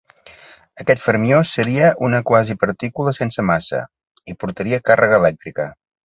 Aquest fermió seria una quasi partícula sense massa, i portaria càrrega elèctrica.